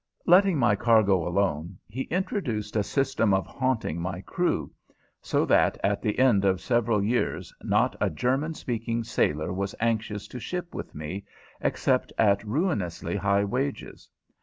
Letting my cargo alone, he introduced a system of haunting my crew, so that at the end of several years not a German speaking sailor was anxious to ship with me, except at ruinously high wages.